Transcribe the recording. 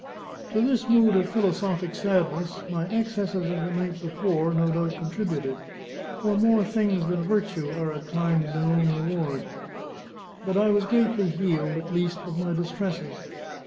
To this mood of philosophic sadness, my excesses of the night before no doubt contributed; for more things than virtue are at times their own reward: but I was greatly healed at least of my distresses.